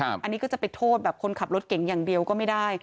อันนี้ก็จะไปโทษแบบคนขับรถเก่งอย่างเดียวก็ไม่ได้